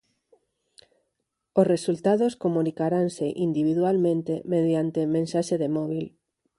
Os resultados comunicaranse individualmente mediante mensaxe de móbil.